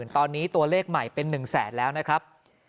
ตอนนี้ตัวเลขใหม่เป็น๑แสนแล้วนะครับ